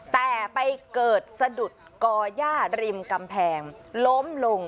แต่ไปเกิดสะดุดก่อย่าริมกำแพงล้มลง